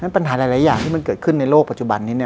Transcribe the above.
ปัญหาหลายอย่างที่มันเกิดขึ้นในโลกปัจจุบันนี้เนี่ย